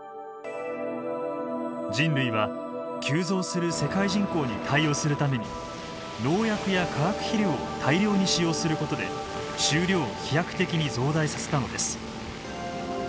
人類は急増する世界人口に対応するために農薬や化学肥料を大量に使用することで収量を飛躍的に増大させたのです。